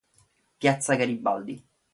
Piazza Garibaldi